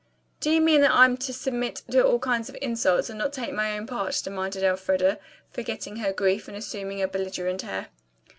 "Do you mean that I'm to submit to all kinds of insults and not take my own part?" demanded Elfreda, forgetting her grief and assuming a belligerent air.